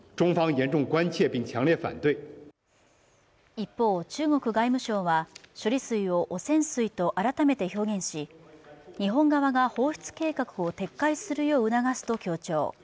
一方、中国外務省は処理水を汚染水と改めて表現し日本側が放出計画を撤回するよう促すと強調。